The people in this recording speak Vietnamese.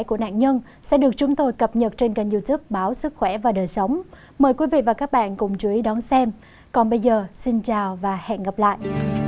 còn bây giờ xin chào và hẹn gặp lại